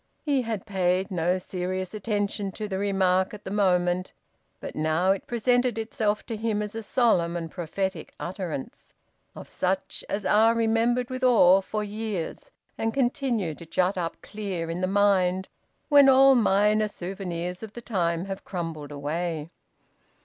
He had paid no serious attention to the remark at the moment, but now it presented itself to him as a solemn and prophetic utterance, of such as are remembered with awe for years and continue to jut up clear in the mind when all minor souvenirs of the time have crumbled away.